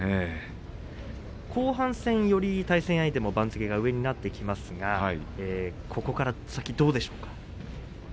後半戦より対戦相手も番付が上になってきますがここから先、どうでしょうか。